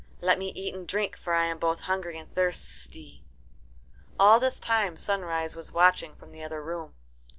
Let me eat and drink, for I am both hungry and thirsty." All this time Sunrise was watching from the other room.